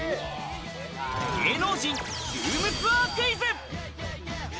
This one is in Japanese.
芸能人ルームツアークイズ。